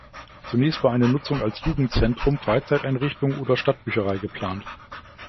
Zunächst war eine Nutzung als Jugendzentrum, Freizeiteinrichtung oder Stadtbücherei geplant.